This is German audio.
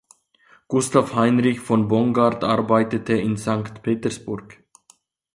Gustav Heinrich von Bongard arbeitete in Sankt Petersburg.